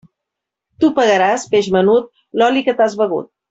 Tu pagaràs, peix menut, l'oli que t'has begut.